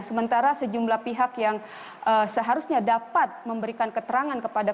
sementara sejumlah pihak yang seharusnya dapat memberikan keterangan kepada